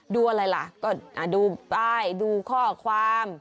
ดูอะไรล่ะก็ดูป้ายดูข้อความ